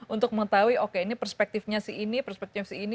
untuk mengetahui oke ini perspektifnya si ini perspektifnya si ini